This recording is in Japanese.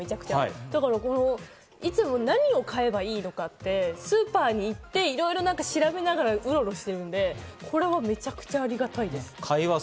だから、いつも何を買えばいいとかってスーパーに行って、いろいろ調べながらウロウロしてるんで、これはめちゃくちゃありがたいです。